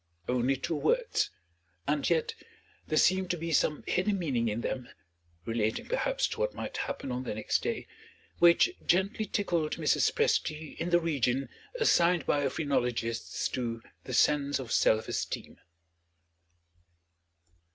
Only two words; and yet there seemed to be some hidden meaning in them relating perhaps to what might happen on the next day which gently tickled Mrs. Presty in the region assigned by phrenologists to the sense of self esteem.